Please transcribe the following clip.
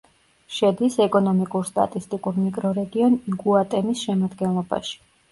შედის ეკონომიკურ-სტატისტიკურ მიკრორეგიონ იგუატემის შემადგენლობაში.